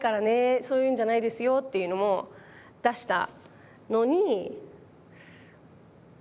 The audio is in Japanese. そういうんじゃないですよ」っていうのも出したのに。